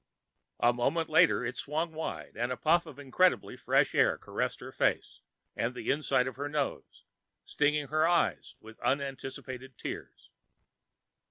A moment later it swung open wide and a puff of incredibly fresh air caressed her face and the inside of her nostrils, stinging her eyes with unanticipated tears.